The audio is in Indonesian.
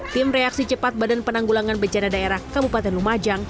tim reaksi cepat badan penanggulangan bencana daerah kabupaten lumajang